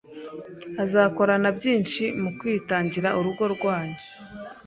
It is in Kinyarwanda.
azakora na byinshi mu kwitangira urugo rwanyu.